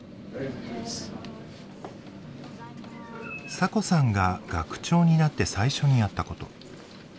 サコさんが学長になって最初にやったこと。